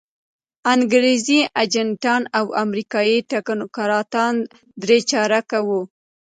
انګریزي ایجنټان او امریکایي تکنوکراتان درې چارکه وو.